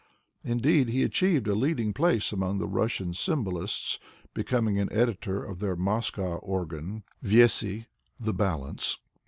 Indeed, he achieved a leading place among the Russian symbolists, becom ing an editor of their Moscow organ (fesy: The Balance).